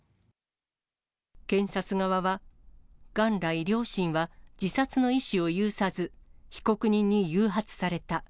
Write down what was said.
検察側は、元来、両親は自殺の意思を有さず、被告人に誘発された。